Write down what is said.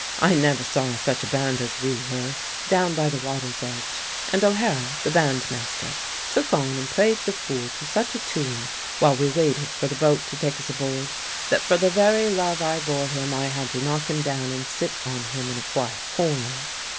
"I never saw such a band as we were, down by the water's edge; and O'Hara, the bandmaster, took on and played the fool to such a tune, while we waited for the boat to take us aboard, that for the very love I bore him I had to knock him down and sit on him in a quiet corner.